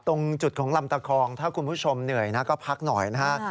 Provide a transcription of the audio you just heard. ตรงจุดของลำตะคองถ้าคุณผู้ชมเหนื่อยนะก็พักหน่อยนะฮะ